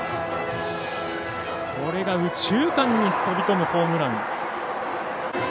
これが右中間に飛び込むホームラン。